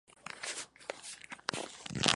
Forma parte del Valle de San Lorenzo.